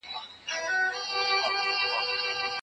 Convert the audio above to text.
د مېلمه پوښتنه نه هېریږي.